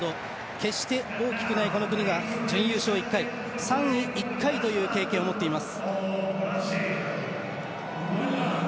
決して大きくない国が準優勝１回、３位１回という成績を持っています。